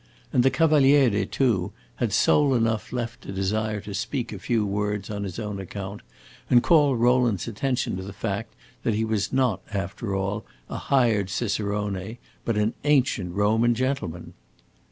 And the Cavaliere, too, had soul enough left to desire to speak a few words on his own account, and call Rowland's attention to the fact that he was not, after all, a hired cicerone, but an ancient Roman gentleman.